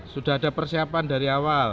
sudah ada persiapan dari awal